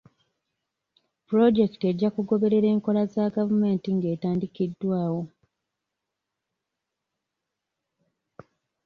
Pulojekiti ejja kugoberera enkola za gavumenti ng'etandikiddwawo.